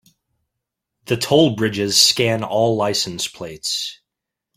The toll bridges scan all license plates.